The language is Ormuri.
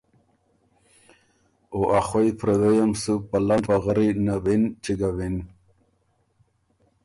او ا خوَئ ا پردئ م سُو په لنډ پغري نَوِن چیګَوِن۔